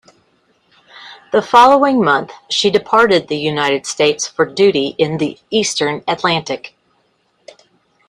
The following month, she departed the United States for duty in the eastern Atlantic.